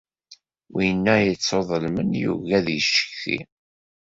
Winna yettuḍelmen yugi ad yeccetki.